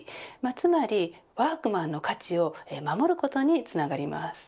つまりワークマンの価値を守ることにつながります。